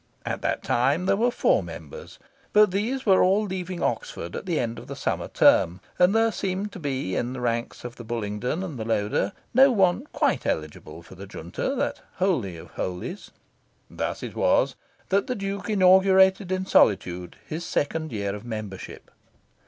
At that time there were four members; but these were all leaving Oxford at the end of the summer term, and there seemed to be in the ranks of the Bullingdon and the Loder no one quite eligible for the Junta, that holy of holies. Thus it was that the Duke inaugurated in solitude his second year of membership.